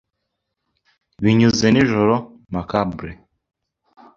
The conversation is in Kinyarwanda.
binyuze nijoro macabre